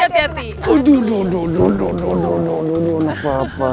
aduh aduh aduh aduh aduh aduh aduh aduh anak papa